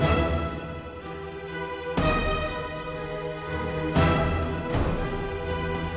hitungnya aja deh